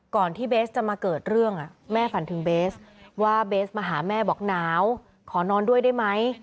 ก่อนที่เบสจะมาเกิดเรื่องแม่ฝันถึงเบสว่าเบสมาหาแม่บอกหนาวขอนอนด้วยได้ไหม